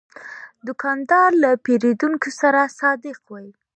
دوکاندار له پیرودونکو سره صادق وي.